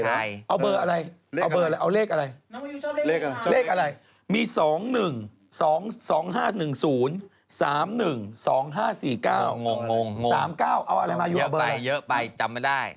มายีไม่ตรรับนะไม่ตรรับอ้าวเอ้ย๑๕นาทีไม่จำไม่ได้